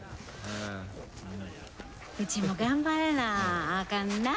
うちも頑張らなあかんな